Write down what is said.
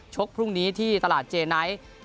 พรุ่งนี้ที่ตลาดเจไนท์